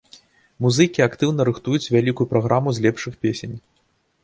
Музыкі актыўна рыхтуюць вялікую праграму з лепшых песень.